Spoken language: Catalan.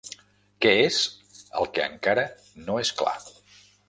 Què és el que encara no és clar?